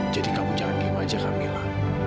jadi kamu jangan gimanya kak mila